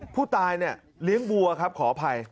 ผู้ตายเนี่ยเลี้ยงวัวครับขออภัย